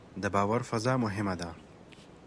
د باور فضا مهمه ده